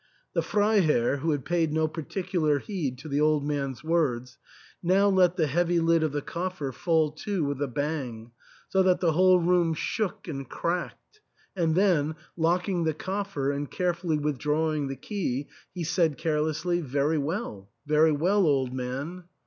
The Freiherr, who had paid no particular heed to the old man's words, now let the heavy lid of the coffer fall to with a bang, so that the whole room shook and cracked, and then, locking the coffer and carefully withdrawing the key, he said carelessly, "Very well, very well, old man."